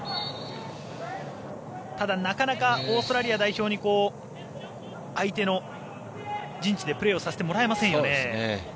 ただ、なかなかオーストラリア代表に相手の陣地でプレーをさせてもらえませんよね。